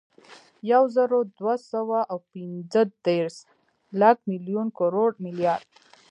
یوزرودوهسوه اوپنځهدېرس، لک، ملیون، کروړ، ملیارد